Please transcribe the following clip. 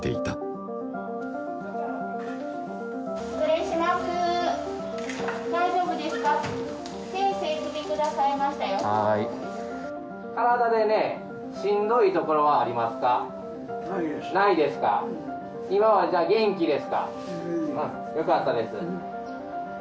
うんよかったです